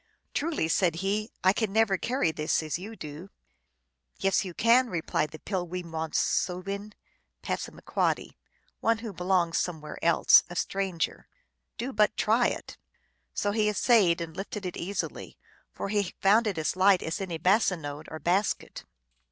" Truly," said he, " I can never carry this as you do !"" Yes, you can," replied the Pil wee mon soo in (P., one who belongs somewhere else, a stranger). " Do but try it !" So he essayed and lifted it easily, for he found it as light as any bassinode or basket.